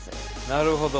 なるほど。